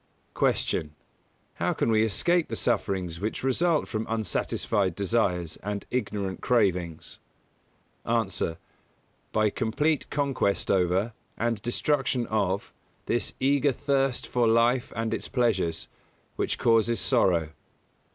124. Q. How can we escape the sufferings which result from unsatisfied desires and ignorant cravings? A. By complete conquest over, and destruction of, this eager thirst for life and its pleasures, which causes sorrow.